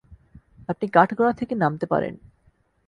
আপনি কাঠগড়া থেকে নামতে পারেন।